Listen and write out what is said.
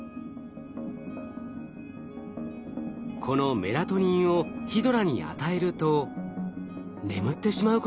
このメラトニンをヒドラに与えると眠ってしまうことが分かりました。